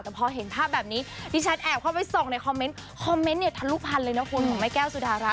แต่พอเห็นภาพแบบนี้เดี๋ยวฉันแอบเข้าไปส่องในคอมเม้นท์โคมเม้นท์เนี่ยทันลูกพันเลยเนอะคุณของไม้แก้วสุดรัฐ